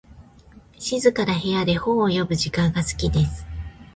静かな部屋で本を読む時間が好きです。